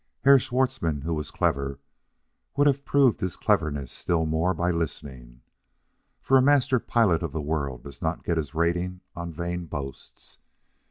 And Herr Schwartzmann, who was clever, would have proved his cleverness still more by listening. For a Mister Pilot of the World does not get his rating on vain boasts.